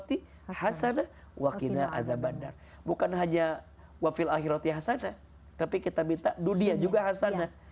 tapi kita minta dunia juga hasana